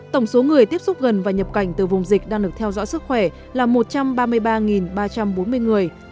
tổng số người tiếp xúc gần và nhập cảnh từ vùng dịch đang được theo dõi sức khỏe là một trăm ba mươi ba ba trăm bốn mươi người